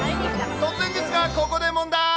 突然ですが、ここで問題。